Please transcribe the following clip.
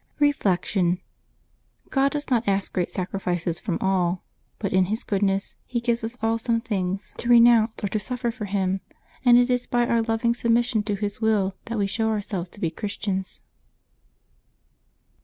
Reflection. — God does not ask great sacrifices from all ; but in His goodness He gives us all some things to re SS2 LIVES OF THE SAINTS [December 20 nounce or to suffer for Him, and it is by our loving sub mission to His will that we show ourselves to be Christians.